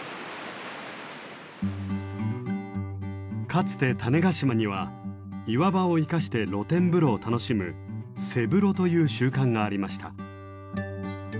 かつて種子島には岩場を生かして露天風呂を楽しむ瀬風呂という習慣がありました。